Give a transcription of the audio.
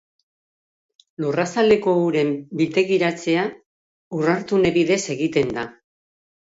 Lurrazaleko uren biltegiratzea ur-hartune bidez egiten da.